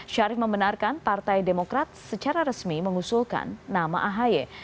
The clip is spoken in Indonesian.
syarif membenarkan partai demokrat secara resmi mengusulkan nama ahy